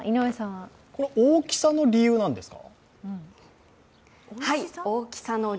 大きさの理由なんですか？